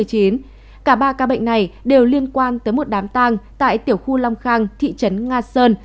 cả ba ca bệnh này đều liên quan tới một đám tang tại tiểu khu long khang thị trấn nga sơn